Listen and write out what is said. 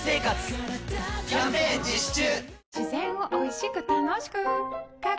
キャンペーン実施中！